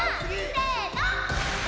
せの。